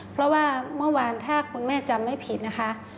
เพราะว่าเมื่อวานถ้าคุณแม่จำไม่ผิดนะคะ